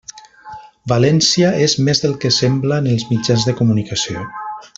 València és més del que sembla en els mitjans de comunicació.